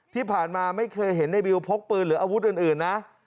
ที่ผ่านมาไม่เคยเห็นในบิวพกปืนหรืออาวุธอื่นนะ